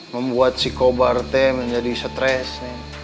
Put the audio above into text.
membuat si kobar menjadi stres neng